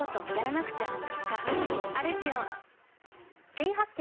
新発見